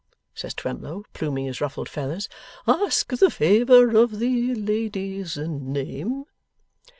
says Twemlow, pluming his ruffled feathers. 'Ask the favour of the lady's name.